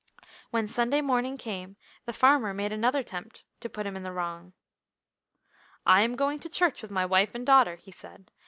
When Sunday morning came the farmer made another attempt to put him in the wrong. "I am going to church with my wife and daughter," he said.